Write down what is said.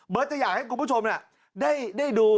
เบิร์ตจะอยากให้คุณผู้ชมได้ดู